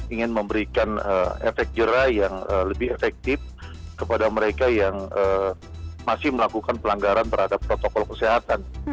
ingin memberikan efek jerai yang lebih efektif kepada mereka yang masih melakukan pelanggaran terhadap protokol kesehatan